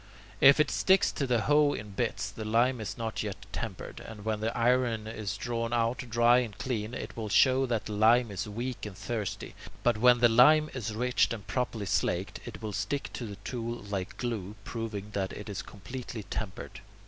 If it sticks to the hoe in bits, the lime is not yet tempered; and when the iron is drawn out dry and clean, it will show that the lime is weak and thirsty; but when the lime is rich and properly slaked, it will stick to the tool like glue, proving that it is completely tempered.